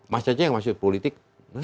mas caca yang masuk politik